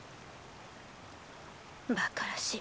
バカらしい。